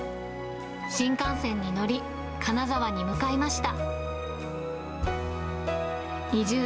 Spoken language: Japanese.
新幹線に乗り、金沢に向かいました。